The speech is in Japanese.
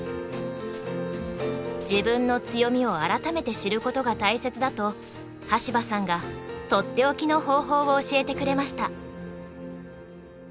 自分の強みを改めて知ることが大切だと端羽さんが取って置きの方法を教えてくれました。